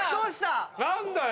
何だよ！